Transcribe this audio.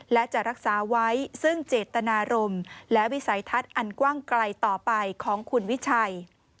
และจะรักษาไว้ซึ่งเจตนารมณ์และวิสัยทัศน์อันกว้างไกลต่อไปของคุณวิชัย